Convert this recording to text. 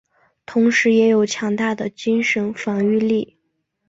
同时也有强大的精神防御力。